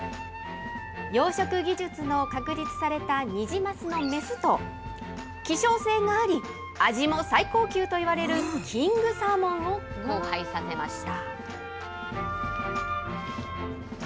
養殖技術の確立されたニジマスの雌と、希少性があり味も最高級といわれるキングサーモンを交配させました。